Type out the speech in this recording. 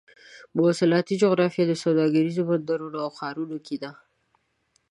مواصلاتي جغرافیه د سوداګریزو بندرونو او ښارونو کې ده.